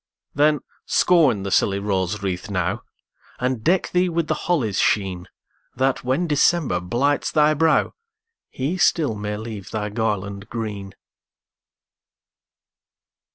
Then, scorn the silly rose wreath now, And deck thee with the holly's sheen, That, when December blights thy brow, He still may leave thy garland green.